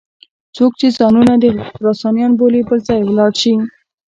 څوک چې ځانونه خراسانیان بولي بل ځای ولاړ شي.